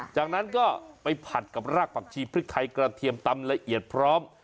จากนั้นก็ไปผัดกับรากผักชีพริกไทยกระเทียมตำละเอียดพร้อม